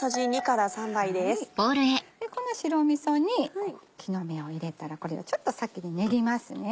この白みそに木の芽を入れたらこれをちょっと先に練ります。